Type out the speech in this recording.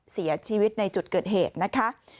เสียชีวิตในจุดเกิดเหตุนะคะ